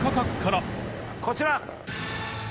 こちら！